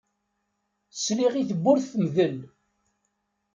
Sliɣ i tewwurt temdel.